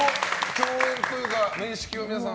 共演というか面識は皆さん？